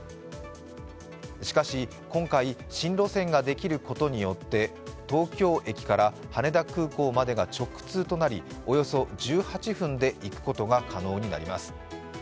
しかし今回、新路線ができることによって、東京駅から羽田空港までが直通となりおよそ１８分で行くことが可能になります。